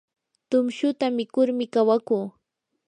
tumshuta mikurmi kawakuu.